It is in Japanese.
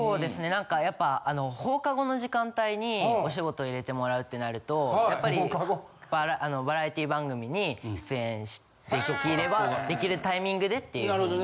なんかやっぱ放課後の時間帯にお仕事入れてもらうってなるとやっぱりバラエティー番組に出演できればできるタイミングでっていう事で。